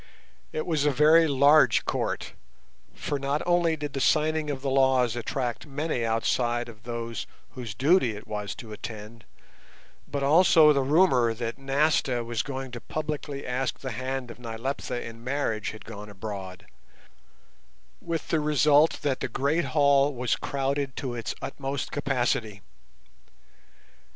It was a very large Court, for not only did the signing of the laws attract many outside of those whose duty it was to attend, but also the rumour that Nasta was going to publicly ask the hand of Nyleptha in marriage had gone abroad, with the result that the great hall was crowded to its utmost capacity.